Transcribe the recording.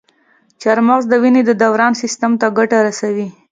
چارمغز د وینې د دوران سیستم ته ګټه رسوي.